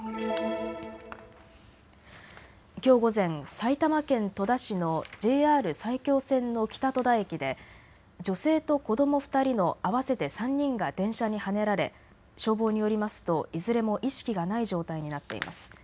きょう午前、埼玉県戸田市のＪＲ埼京線の北戸田駅で女性と子ども２人の合わせて３人が電車にはねられ消防によりますといずれも意識がない状態になっています。